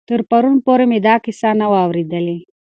تر پرون پورې مې دا کیسه نه وه اورېدلې.